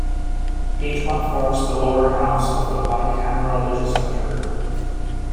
Each one forms the lower house of a bicameral legislature.